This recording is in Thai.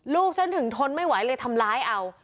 ลูกฉันถึงทนไม่ไหวเลยทำร้ายเอา